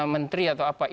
menteri atau apa